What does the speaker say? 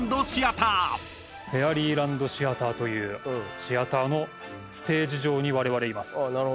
フェアリーランドシアターというシアターのステージ上にわれわれいます。